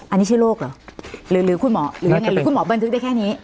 อันนี้ชื่อโรคหรอหรือคุณหมอบันทึกได้แค่นี้